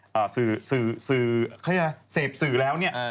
เขาเรียกว่าเสพสื่อแล้วเนี่ย